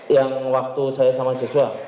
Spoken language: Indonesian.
yang waktu saya sama joshua